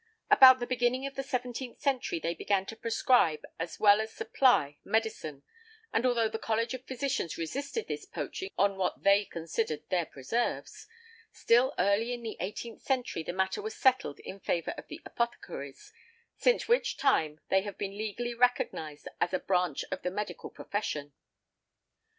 About the beginning of the seventeenth century they began to prescribe as well as supply medicine; and although the College of Physicians resisted this poaching on what they considered their preserves, still early in the eighteenth century the matter was settled in favor of the apothecaries, since which time they have been legally recognised as a branch of the medical profession .